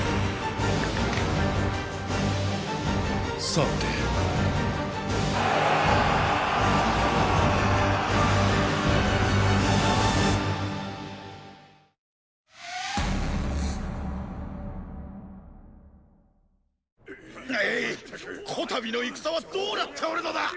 さて。ええィ此度の戦はどうなっておるのだ！